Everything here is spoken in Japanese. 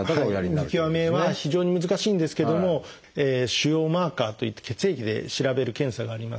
見極めは非常に難しいんですけども腫瘍マーカーといって血液で調べる検査があります。